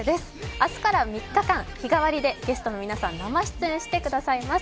明日から３日間、日替わりでゲストの皆さんが出演してくださいます。